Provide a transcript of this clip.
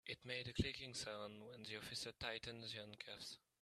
It made a clicking sound when the officer tightened the handcuffs.